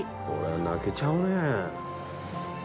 これ泣けちゃうね。